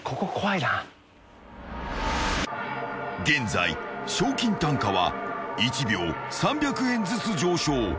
［現在賞金単価は１秒３００円ずつ上昇］